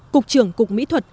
cục trường cục mỹ thuật